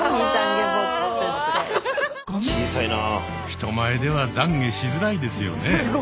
人前では懺悔しづらいですよね。